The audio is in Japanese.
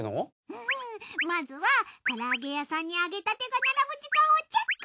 フフーンまずはから揚げ屋さんに揚げたてが並ぶ時間をチェック！